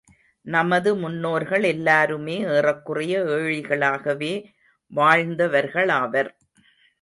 நமது முன்னோர்கள் எல்லாருமே ஏறக்குறைய ஏழைகளாகவே வாழ்ந்தவர்களாவர்.